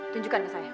tunjukkan ke saya